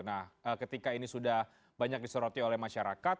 nah ketika ini sudah banyak disoroti oleh masyarakat